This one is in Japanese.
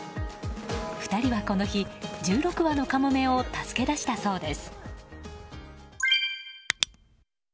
２人はこの日、１６羽のカモメを助け出したそうです。